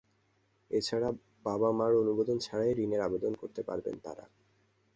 এ ছাড়া বাবা মার অনুমোদন ছাড়াই ঋণের আবেদন করতে পারবেন তাঁরা।